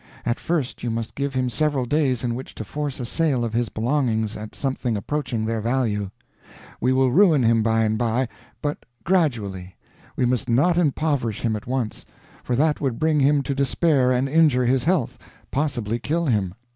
At first you must give him several days in which to force a sale of his belongings at something approaching their value. We will ruin him by and by, but gradually; we must not impoverish him at once, for that could bring him to despair and injure his health, possibly kill him."